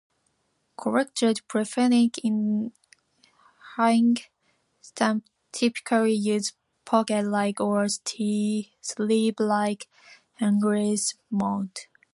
Collectors preferring unhinged stamps typically use pocket-like or sleeve-like hingeless mount.